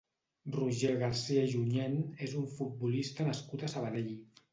Roger Garcia i Junyent és un futbolista nascut a Sabadell.